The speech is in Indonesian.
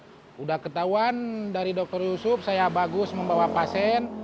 sudah ketahuan dari dr yusuf saya bagus membawa pasien